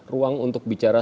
ruang untuk bicara